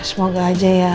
semoga aja ya